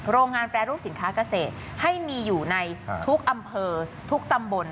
โรงงานแปรรูปสินค้าเกษตรให้มีอยู่ในทุกอำเภอทุกตำบล